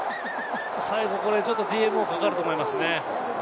最後これＴＭＯかかると思いますね。